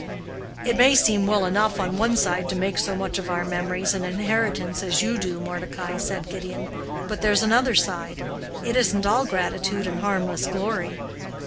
"It may seem well enough on one side to make so much of our memories and inheritance as you do, Mordecai," said Gideon; "but there's another side. It isn't all gratitude and harmless glory.